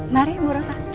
mari murah satu